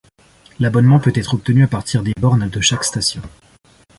L'abonnement peut être obtenu à partir des bornes de chaque station.